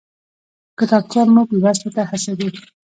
کتابچه موږ لوستو ته هڅوي